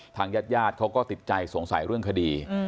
ทางญาติญาติเขาก็ติดใจสงสัยเรื่องคดี